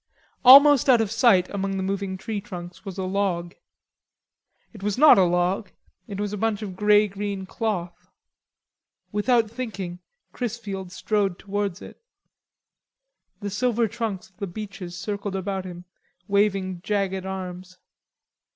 Almost out of sight among the moving tree trunks was a log. It was not a log; it was a bunch of grey green cloth. Without thinking Chrisfield strode towards it. The silver trunks of the beeches circled about him, waving jagged arms.